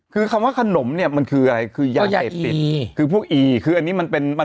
คือคำว่าขนมเนี่ยมันคืออะไรคือพวกอีคืออันนี้มันเป็น